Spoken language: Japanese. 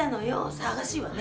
騒がしいわね。